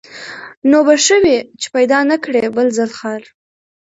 نو به ښه وي چي پیدا نه کړې بل ځل خر